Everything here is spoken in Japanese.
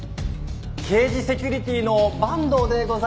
京滋セキュリティの板東でございます。